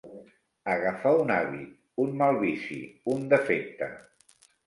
Agafar un hàbit, un mal vici, un defecte.